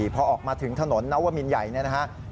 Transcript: พอออกมาถึงถนนนัววะมินใหญ่นะครับ